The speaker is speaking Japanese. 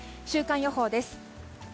週間予報です。